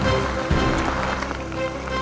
orang ajar lah